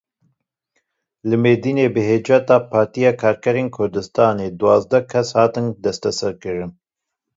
Li Mêrdînê bi hinceta Partiya Karkerên Kurdistanê duwazdeh kes hatin desteserkirin.